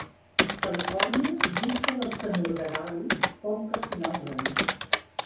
Califòrnia llista l'arsenur de gal·li com carcinogen.